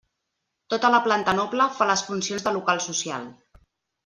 Tota la planta noble fa les funcions de local social.